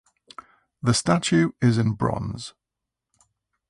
The statue is in bronze.